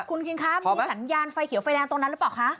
คุณคิงคะมีสัญญาณไฟเขียวไฟแดงตรงนั้นหรือเปล่าคะ